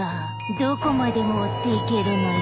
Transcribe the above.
どこまでも追っていけるのよ。